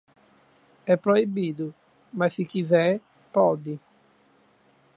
É proibido, mas se quiser, pode.